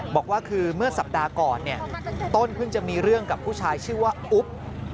บอกว่าคือเมื่อสัปดาห์ก่อนเนี่ยต้นเพิ่งจะมีเรื่องกับผู้ชายชื่อว่าอุ๊บ